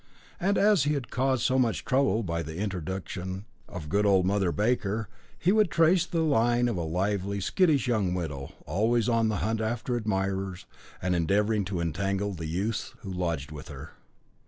And as he had caused so much trouble by the introduction of good old Mother Baker, he would trace the line of a lively, skittish young widow, always on the hunt after admirers, and endeavouring to entangle the youths who lodged with her.